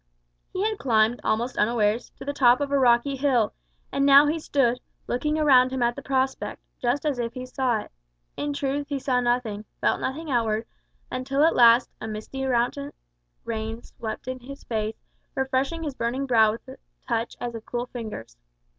He had climbed, almost unawares, to the top of a rocky hill; and now he stood, looking around him at the prospect, just as if he saw it. In truth, he saw nothing, felt nothing outward, until at last a misty mountain rain swept in his face, refreshing his burning brow with a touch as of cool fingers.